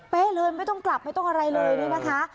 เลยไม่ต้องกลับไม่ต้องอะไรเลยนี่นะคะ